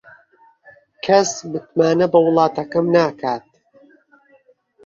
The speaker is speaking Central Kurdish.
کەس متمانە بە وڵاتەکەم ناکات.